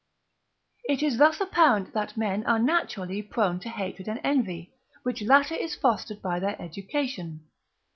It is thus apparent that men are naturally prone to hatred and envy, which latter is fostered by their education.